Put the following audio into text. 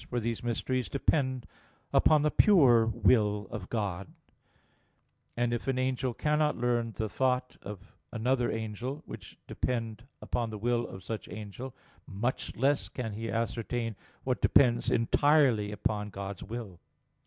For these mysteries depend upon the pure will of God: and if an angel cannot learn the thoughts of another angel, which depend upon the will of such angel, much less can he ascertain what depends entirely upon God's will.